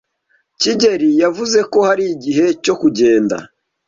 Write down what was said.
kigeli yavuze ko hari igihe cyo kugenda.